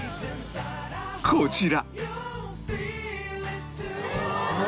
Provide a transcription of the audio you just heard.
こちら